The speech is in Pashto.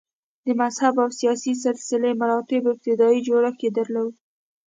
د مذهب او سیاسي سلسه مراتبو ابتدايي جوړښت یې درلود